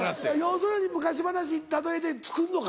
要するに昔話に例えて作るの？